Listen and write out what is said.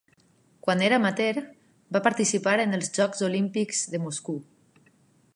Quan era amateur va participar en els Jocs Olímpics de Moscou.